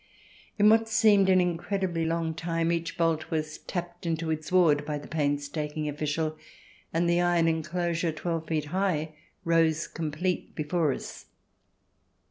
In what seemed an incredibly long time each bolt was tapped into its ward by the painstaking official, and an iron enclo CH. XII] LIONS AND LACE CURTAINS 169 sure twelve feet high rose complete before us.